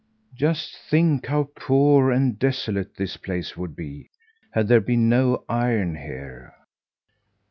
"Just think how poor and desolate this place would be had there been no iron here!